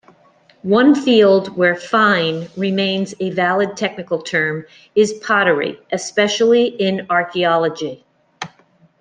One field where "fine" remains a valid technical term is pottery, especially in archaeology.